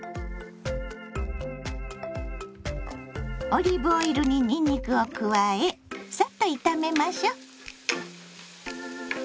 オリーブオイルににんにくを加えさっと炒めましょ。